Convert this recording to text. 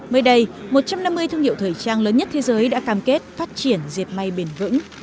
mới đây một trăm năm mươi thương hiệu thời trang lớn nhất thế giới đã cam kết phát triển diệt may bền vững